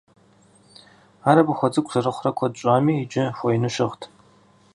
Ар абы хуэцӀыкӀу зэрыхъурэ куэд щӀами, иджы хуэину щыгът.